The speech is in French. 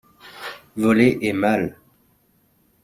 Voler est mal.